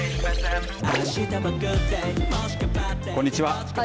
こんにちは。